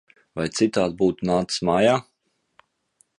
Vai citādi būtu nācis mājā!